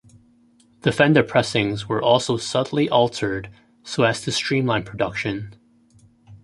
The fender pressings were also subtly altered so as to streamline production.